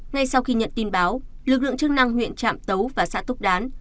ngay sau khi nhận tin báo lực lượng chức năng huyện trạm tấu và xã túc đán